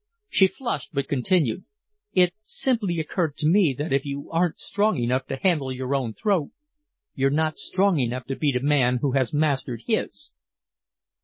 She flushed, but continued, "It simply occurred to me that if you aren't strong enough to handle your own throat, you're not strong enough to beat a man who has mastered his."